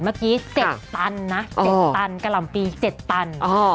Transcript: เมื่อกี้๗ตันนะ๗ตันกะหล่ำปี๗ตัน